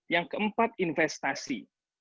yang keempat investasi